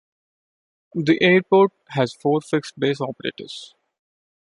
The airport has four fixed-base operators.